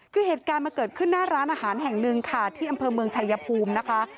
คือเหตุการณ์มันเกิดขึ้นหน้าร้านอาหารแห่งหนึ่งค่ะที่อำเภอเมืองชายภูมินะคะ